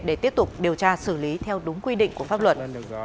để tiếp tục điều tra xử lý theo đúng quy định của pháp luật